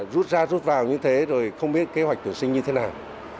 rút ra rút vào như thế rồi không biết kế hoạch tuyển sinh như thế nào